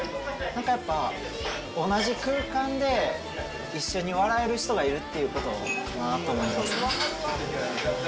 なんかやっぱ、同じ空間で一緒に笑える人がいるっていうかなと思います。